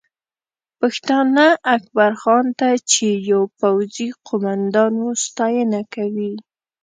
پښتانه اکبرخان ته چې یو پوځي قومندان و، ستاینه کوي